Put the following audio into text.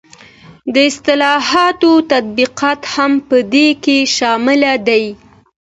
د اصلاحاتو تطبیق هم په دې کې شامل دی.